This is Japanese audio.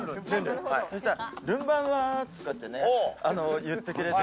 そしたら、るんばんはとかってね言ってくれて。